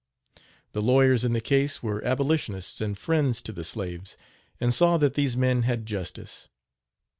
The lawyers in the case were abolitionists and friends to the slaves, and saw that these men had justice.